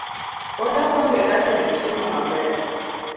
Pod apuonjora tedo chiemo maber